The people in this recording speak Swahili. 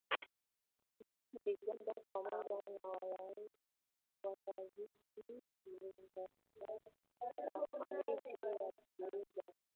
ibada pamoja na Wayahudi wakazidi kuzingatia sakramenti ya Kumega